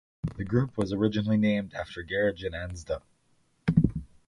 The group was originally named after Garegin Nzhdeh.